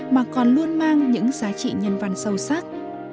mà còn luôn mang những giá trị nhân văn sâu sắc